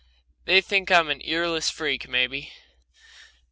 They think I'm an earless freak, maybe.